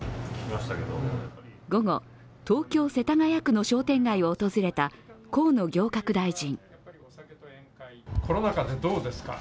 午後、東京・世田谷区の商店街を訪れた河野行革大臣。